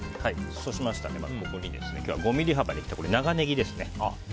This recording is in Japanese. そうしましたら、ここに今日は５ｍｍ幅に切った長ネギですね。